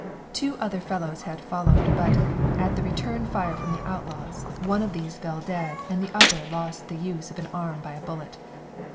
Two other fellows had followed, but, at the return fire from the outlaws, one of these fell dead and the other lost the use of an arm by a bullet.